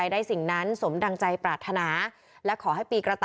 ๑๐ล้านกว่าชีวิต